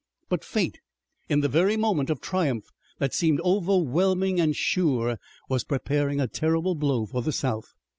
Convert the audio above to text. But fate in the very moment of triumph that seemed overwhelming and sure was preparing a terrible blow for the South.